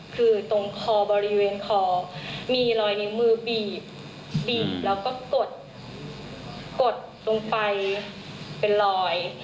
คือตรงคอบริเวณคอมีรอยนิ้วมือบีบบีบแล้วก็กดลงไปเป็นรอย